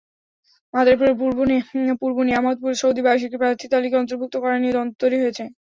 মাদারীপুরের পূর্ব নেয়ামতপুরে সৌদিপ্রবাসীকে প্রার্থীর তালিকায় অন্তর্ভুক্ত করা নিয়ে দ্বন্দ্ব তৈরি হয়েছে।